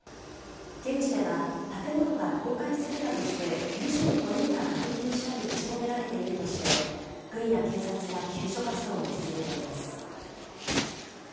現地では建物が倒壊するなどして、２５人ががれきの下に閉じ込められているとして、軍や警察が救助活動を続けています。